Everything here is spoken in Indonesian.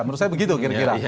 menurut saya begitu kira kira